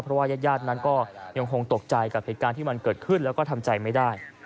เพราะว่ายาดนั้นก็ยังคงตกใจกับเหตุการณ์ที่มันเกิดขึ้นแล้วก็ทำใจไม่ได้